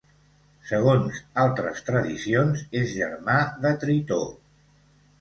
Segons altres tradicions, és germà de Tritó.